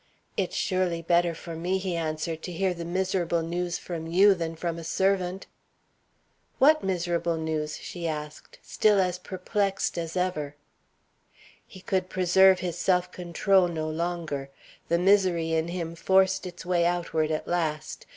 "It's surely better for me," he answered, "to hear the miserable news from you than from a servant." "What miserable news?" she asked, still as perplexed as ever. He could preserve his self control no longer; the misery in him forced its way outward at last.